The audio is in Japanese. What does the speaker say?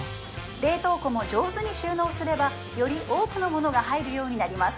冷凍庫も上手に収納すればより多くのものが入るようになります